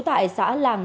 đã bắt quả tàng